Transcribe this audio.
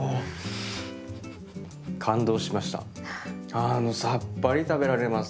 あのさっぱり食べられます